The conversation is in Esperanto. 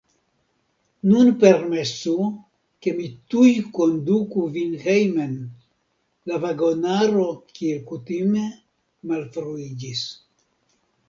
Nun permesu, ke mi tuj konduku vin hejmen; la vagonaro, kiel kutime, malfruiĝis.